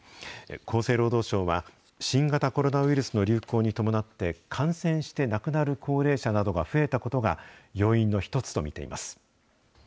厚生労働省は、新型コロナウイルスの流行に伴って、感染して亡くなる高齢者などが増えたことが、要因の一つと見ています。